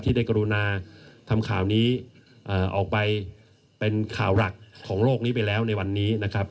ได้กรุณาทำข่าวนี้ออกไปเป็นข่าวหลักของโลกนี้ไปแล้วในวันนี้นะครับ